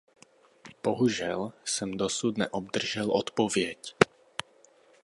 Bohužel jsem dosud neobdržel odpověď.